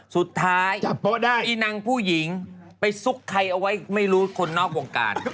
สุดท้ายอีนางผู้หญิงไปซุกใครเอาไว้ไม่รู้คนนอกวงการ